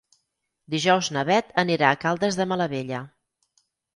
Dijous na Bet anirà a Caldes de Malavella.